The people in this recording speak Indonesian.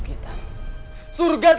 bisa mah soviet